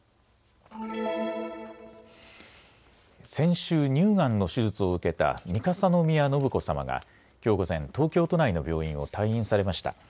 先週、乳がんの手術を受けた三笠宮信子さまがきょう午前、東京都内の病院を退院されました。